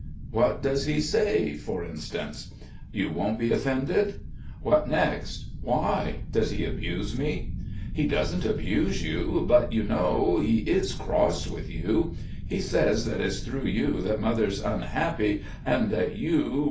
"What does he say, for instance?" "You won't be offended?" "What next? Why, does he abuse me?" "He doesn't abuse you, but you know ... he is cross with you. He says that it's through you that Mother's unhappy and that you